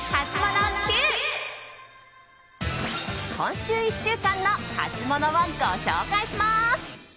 今週１週間のハツモノをご紹介します。